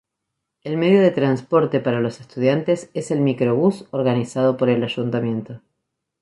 El medio de transporte para los estudiantes es el microbús, organizado por el ayuntamiento.